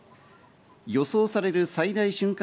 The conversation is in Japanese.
予想される最大瞬間